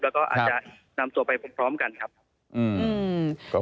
แล้วก็อาจจะนำตัวไปพร้อมกันครับ